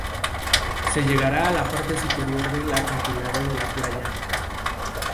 Se llegará a la parte superior del acantilado de la playa.